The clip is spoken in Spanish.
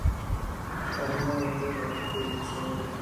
Anida entre noviembre y diciembre.